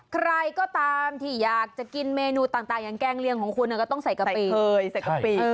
ใครก็ตามที่อยากจะกินเมนูต่างอย่างแกล้งเลี้ยงของคุณก็ต้องใส่กะปิ